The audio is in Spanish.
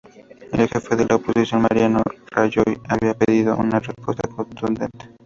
El jefe de la oposición, Mariano Rajoy, había pedido una respuesta contundente.